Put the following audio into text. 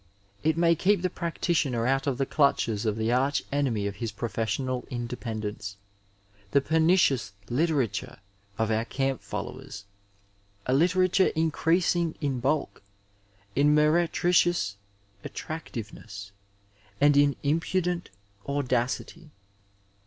It may keep the practitioner out of the clutches of the arch enemy of his professional independence — ^the perni cious literature of our camp followers, a literature in creasing in bulk, in meretricious attractiveness, and id impudent audacity.